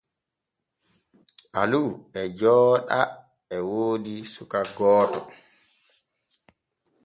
Alu e jooɗa e woodi suka gooto.